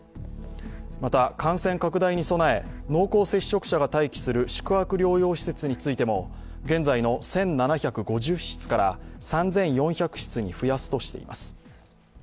また、感染拡大に備え、濃厚接触者が待機する宿泊療養施設についても、現在の１７５０室から３４００室に増やすとしています。